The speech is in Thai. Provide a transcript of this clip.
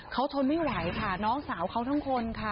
เขาทนไม่ไหวค่ะน้องสาวเขาทั้งคนค่ะ